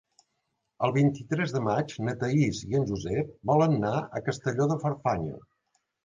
El vint-i-tres de maig na Thaís i en Josep volen anar a Castelló de Farfanya.